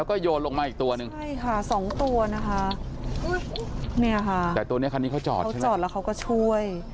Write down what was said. เขาจอดแล้วเขาก็ช่วย